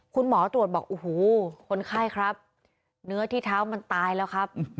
คุณหมอตรวจบอกโอ้โหคนไข้ครับเนื้อที่เท้ามันตายแล้วครับ